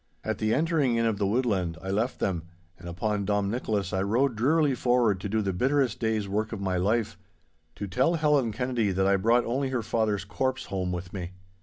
At the entering in of the woodland I left them, and upon Dom Nicholas I rode drearily forward to do the bitterest day's work of my life—to tell Helen Kennedy that I brought only her father's corpse home with me.